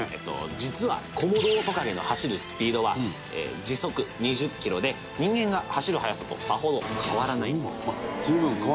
実はコモドオオトカゲの走るスピードは時速２０キロで人間が走る速さとさほど変わらないんです。